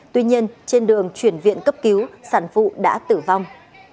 tuy nhiên trên đường chuyển viện cấp cứu sản phụ đã tử vong